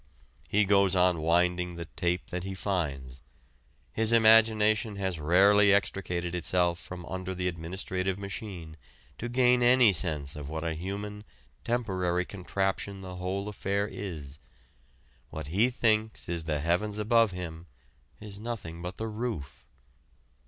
He goes on winding the tape that he finds. His imagination has rarely extricated itself from under the administrative machine to gain any sense of what a human, temporary contraption the whole affair is. What he thinks is the heavens above him is nothing but the roof.